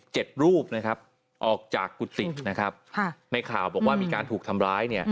รูปนะครับออกจากกุฏินะครับค่ะในข่าวบอกว่ามีการถูกทำร้ายเนี่ย